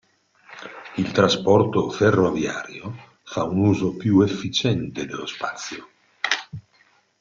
Il trasporto ferroviario fa un uso più efficiente dello spazio.